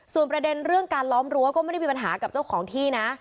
ส่วนประเด็นเรื่องการล้อมรั้วก็ไม่ได้มีปัญหากับเจ้าของที่นะ